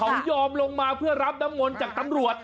เขายอมลงมาเพื่อรับน้ำมนต์จากตำรวจ